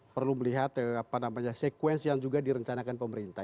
perlu melihat apa namanya sekuens yang juga direncanakan pemerintah